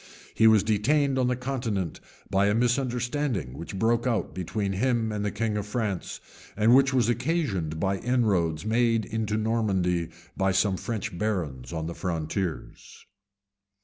He was detained on the continent by a misunderstanding which broke out between him and the king of France, and which was occasioned by inroads made into Normandy by some French barons on the frontiers.